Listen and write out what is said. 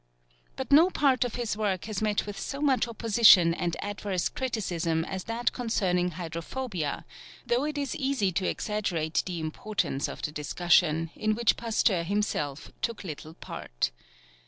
But no part of his work has met with so much opposition and adverse criticism as that concerning hydrophobia, though it is easy to exaggerate the importance of the discussion, in which Pasteur himself took little part.